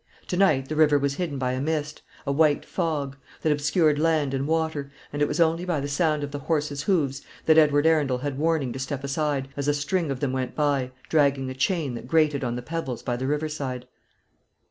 To night the river was hidden by a mist, a white fog, that obscured land and water; and it was only by the sound of the horses' hoofs that Edward Arundel had warning to step aside, as a string of them went by, dragging a chain that grated on the pebbles by the river side.